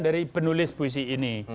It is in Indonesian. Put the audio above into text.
dari penulis puisi ini